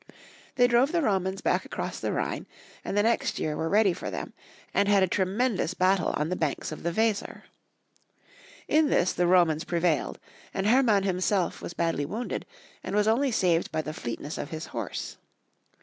They drove the Romans back across the Rhine, and the next year were ready for them, and had a tre mendous battle on the banks of the Weser. In this the Romans prevailed, and Herman himself was badly wounded, and was only saved by the fleetness of his horse.